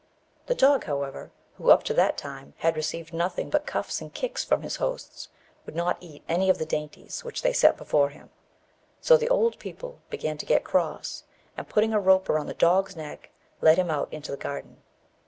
The dog, however, who up to that time had received nothing but cuffs and kicks from his hosts, would not eat any of the dainties which they set before him; so the old people began to get cross, and, putting a rope round the dog's neck, led him out into the garden.